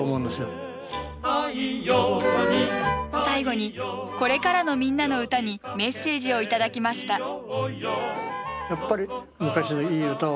最後にこれからの「みんなのうた」にメッセージを頂きました。